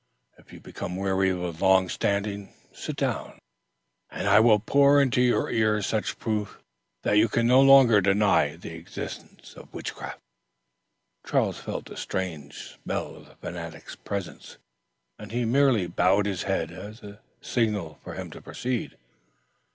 If you become weary with long standing, sit down, and I will pour into your ears such proofs that you can no longer deny the existence of witchcraft." Charles felt the strange spell of the fanatic's presence, and he merely bowed his head as a signal for him to proceed.